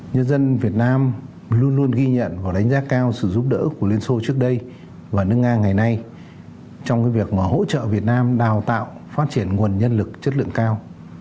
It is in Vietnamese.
nhân dân việt nam luôn luôn ghi nhận và đánh giá cao sự giúp đỡ của liên xô trước đây và nước nga ngày nay trong cái việc mà hỗ trợ việt nam đào tạo phát triển nguồn nhân lực chất lượng cao